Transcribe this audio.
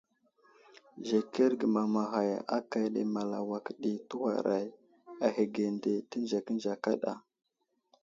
Zəkerge mamaghay akane Malawak ɗi tewaray ahəge nde tenzekənze kada.